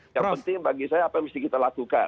yang penting bagi saya apa yang mesti kita lakukan